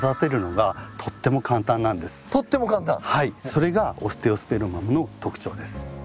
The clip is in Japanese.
それがオステオスペルマムの特徴です。